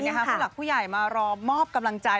ผู้หลักผู้ใหญ่มารอมอบกำลังใจ